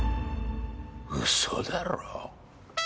嘘だろ？